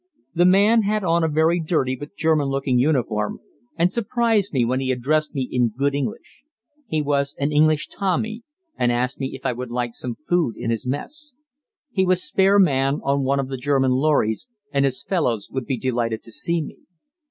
The man had on a very dirty but German looking uniform, and surprised me when he addressed me in good English. He was an English Tommy and asked me if I would like some food in his mess. He was spare man on one of the German lorries, and his fellows would be delighted to see me.